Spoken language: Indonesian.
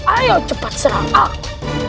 ayo cepat serang aku